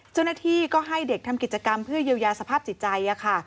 เจ้าหน้าที่ก็ให้เด็กทำกิจกรรมเพื่อเยียวยาสภาพจิตใจค่ะ